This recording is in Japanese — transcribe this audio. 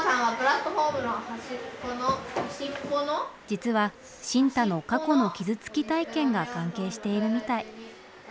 実は新太の過去の傷つき体験が関係しているみたい。